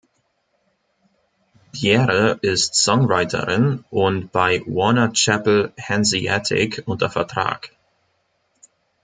Bjerre ist Songwriterin und bei Warner Chappel Hanseatic unter Vertrag.